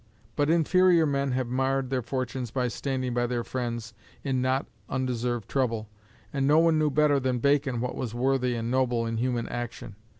But inferior men have marred their fortunes by standing by their friends in not undeserved trouble, and no one knew better than Bacon what was worthy and noble in human action.